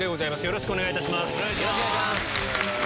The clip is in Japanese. よろしくお願いします。